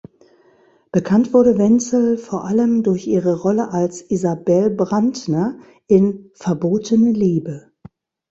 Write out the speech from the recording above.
Bekannt wurde Wenzel vor allem durch ihre Rolle als "Isabell Brandner" in "Verbotene Liebe".